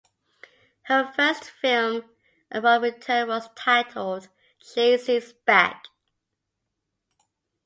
Her first film upon return was titled "Chasey's Back".